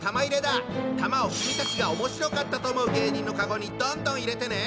玉を君たちがおもしろかったと思う芸人のカゴにどんどん入れてね！